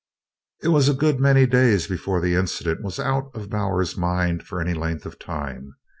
It was a good many days before the incident was out of Bowers's mind for any length of time.